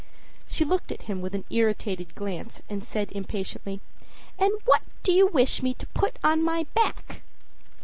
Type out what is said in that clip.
â She looked at him with an irritated glance and said impatiently: âAnd what do you wish me to put on my back?